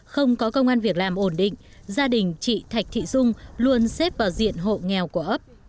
không có công an việc làm ổn định gia đình chị thạch thị dung luôn xếp vào diện hộ nghèo của ấp